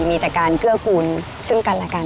มีแต่การเกื้อกูลซึ่งกันและกัน